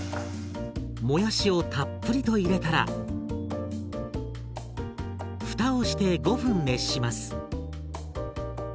もやしをたっぷりと入れたら蓋をして５分熱します。